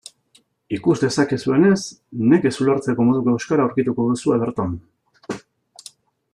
Ikus dezakezuenez, nekez ulertzeko moduko euskara aurkituko duzue berton.